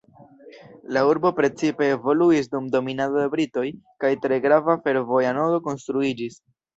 La urbo precipe evoluis dum dominado de britoj kaj tre grava fervoja nodo konstruiĝis.